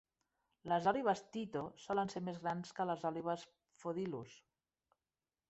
Les òlibes "Tyto" solen ser més grans que les òlibes Phodilus.